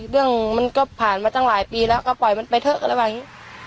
เรื่องมันก็ผ่านมาตั้งหลายปีแล้วก็ปล่อยมันไปเถอะก็เลยว่าอย่างงี้